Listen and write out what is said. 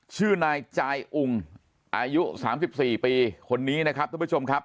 ชื่อนายจายอุงอายุ๓๔ปีคนนี้นะครับทุกผู้ชมครับ